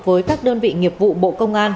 với các đơn vị nghiệp vụ bộ công an